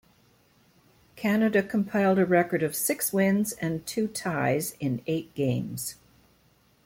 Canada compiled a record of six wins and two ties in eight games.